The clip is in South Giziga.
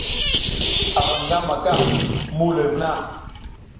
Aram nga maka muhuloy vuna?